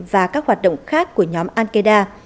và các hoạt động khác của nhóm al qaeda